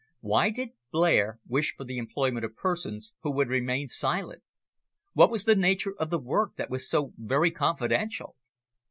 Why did Blair wish for the employment of persons who would remain silent? What was the nature of the work that was so very confidential?